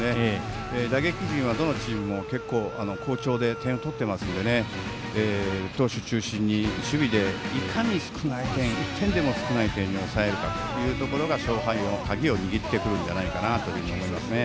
打撃陣はどのチームも結構好調で、点を取っていますので投手中心に守備でいかに少ない点１点でも少ない点に抑えるかが勝敗の鍵を握ってくると思います。